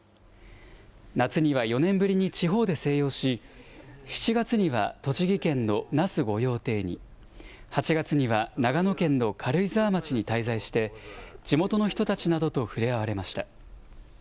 夏には４年ぶりに地方で静養し、７月には栃木県の那須御用邸に、８月には長野県の軽井沢町に滞在して、地元の人たちなどと触れ合われました。